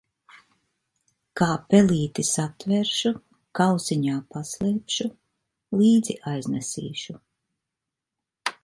Kā pelīti satveršu, kausiņā paslēpšu, līdzi aiznesīšu.